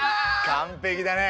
完璧だね。